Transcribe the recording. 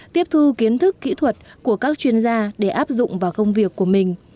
tiếp thu kiến thức kỹ thuật của các chuyên gia để áp dụng vào công việc của mình